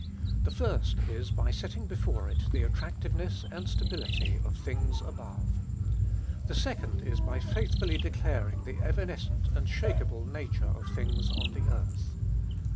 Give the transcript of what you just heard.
The first is, by setting before it the attractiveness and stability of "things above." The second is, by faithfully declaring the evanescent and shakeable nature of "things on the earth."